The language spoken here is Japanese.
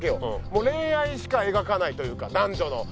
もう恋愛しか描かないというか男女の。